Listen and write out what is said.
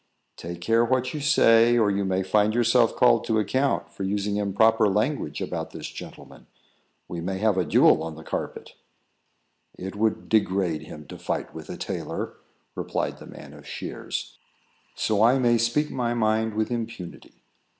"Take care what you say, or you may find yourself called to account for using improper language about this gentleman. We may have a duel on the carpet." "It would degrade him to fight with a tailor," replied the man of shears. "So I may speak my mind with impunity.